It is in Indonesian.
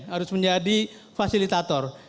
harus menjadi fasilitator